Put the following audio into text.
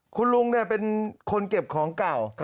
คุณลุงเป็นคนเก็บของเก่า